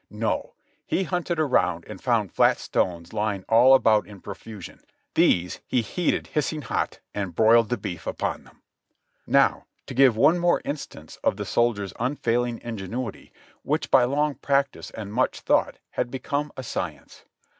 No. He hunted around and found fiat stones lying all about in profusion; these he heated hissing hot and broiled the beef upon them. Now to give one more instance of the soldier's unfailing in genuity, which by long practice and much thought had become a science.